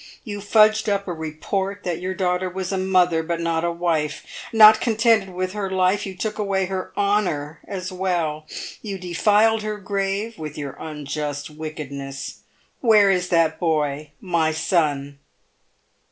You fudged up a report that your daughter was a mother but not a wife. Not contented with her life, you took away her honour as well. You denied her grave with your unjust wickedness. Where is that boy — my son